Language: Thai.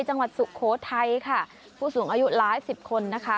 สุโขทัยค่ะผู้สูงอายุหลายสิบคนนะคะ